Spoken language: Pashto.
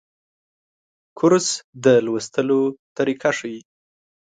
کورس د لوستلو طریقه ښيي.